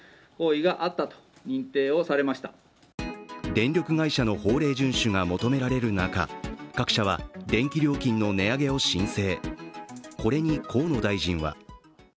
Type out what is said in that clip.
電力会社の法令順守が求められる中、各社は電気料金の値上げを申請。